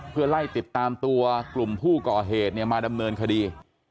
เพื่อไล่ติดตามตัวกลุ่มผู้ก่อเหตุมาดำเนินคดี